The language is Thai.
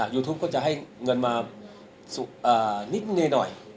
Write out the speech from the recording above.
ยูทูปก็จะให้เงินมานิดหน่อย